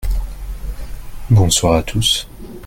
bonsoir à tous.